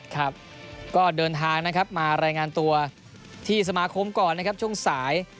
ครับก็เดินทางนะครับมารายงานตัวที่สมาคมก่อนนะครับช่วงสาย